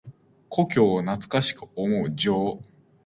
故郷を懐かしく思う情。